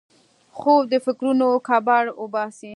خوب د فکرونو کباړ وباسي